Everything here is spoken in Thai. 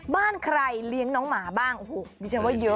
บ้านใครเลี้ยงน้องหมาบ้างโอ้โหดิฉันว่าเยอะ